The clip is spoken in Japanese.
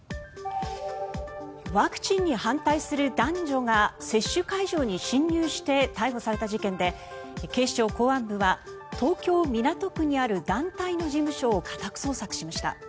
ワクチンに反対する男女が接種会場に侵入して逮捕された事件で警視庁公安部は東京・港区にある団体の事務所を家宅捜索しました。